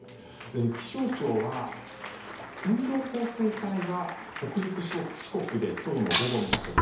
気象庁は線状降水帯が北陸、四国で今日の午後にかけて